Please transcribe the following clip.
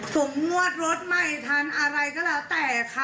ส่งงวดรถใหม่ทันอะไรก็แล้วแต่ค่ะ